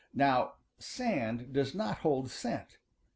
Now sand does not hold scent.